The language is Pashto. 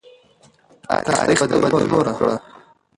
تاریخ ته بدلون ورکړه.